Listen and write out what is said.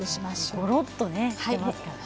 ごろっとしていますからね。